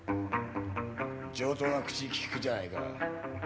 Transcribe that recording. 上等な口利くじゃないか。